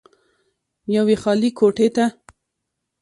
يوې خالې کوټې ته